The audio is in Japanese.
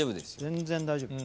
全然大丈夫。